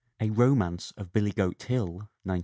A Romance of Billy Goat Hill, 1912.